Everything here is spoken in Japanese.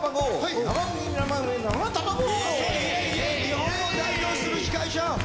日本を代表する司会者！